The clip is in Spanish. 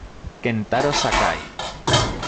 Kentaro Sakai